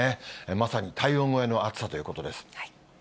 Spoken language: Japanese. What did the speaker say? まさに体温超えの暑さということです。